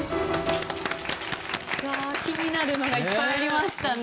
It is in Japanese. うわ気になるのがいっぱいありましたね。